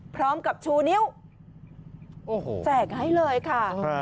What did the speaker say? พร้อมกับชูนิ้วโอ้โหแสกไงเลยค่ะ